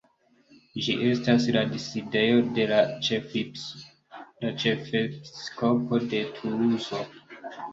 Ĝi estas la sidejo de la Ĉefepiskopo de Tuluzo.